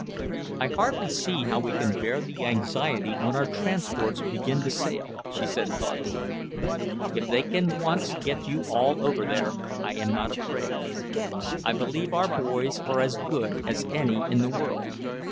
"I hardly see how we can bear the anxiety when our transports begin to sail," she said thoughtfully. "If they can once get you all over there, I am not afraid; I believe our boys are as good as any in the world.